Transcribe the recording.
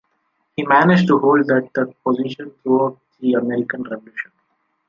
He managed to hold that position throughout the American Revolution.